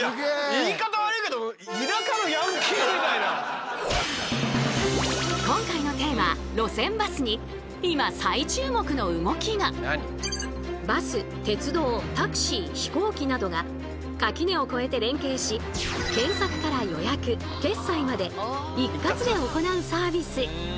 言い方悪いけど今回のテーマバス鉄道タクシー飛行機などが垣根を越えて連携し検索から予約決済まで一括で行うサービス